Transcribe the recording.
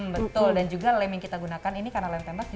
betul dan juga lem yang kita gunakan ini karena lem tembak